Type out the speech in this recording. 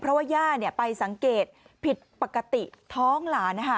เพราะว่าย่าเนี่ยไปสังเกตผิดปกติท้องหลานนะฮะ